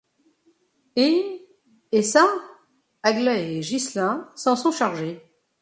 Et… et ça, Aglaé et Ghislain s’en sont chargés.